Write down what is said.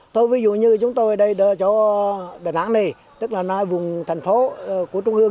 thôi ví dụ như chúng tôi ở đây đợi cho đà nẵng này tức là nơi vùng thành phố của trung hương